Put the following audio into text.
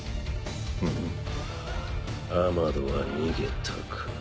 ん？アマドは逃げたか。